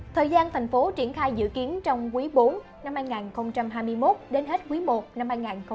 thời gian thành phố triển khai dự kiến trong quý bốn năm hai nghìn hai mươi một đến hết quý i năm hai nghìn hai mươi bốn